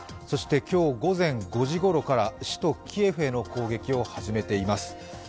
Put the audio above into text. そして今日午前５時ごろから首都キエフへの攻撃を始めています。